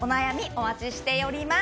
お待ちしております。